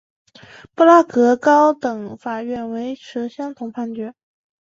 布拉格高等法院维持相同判决。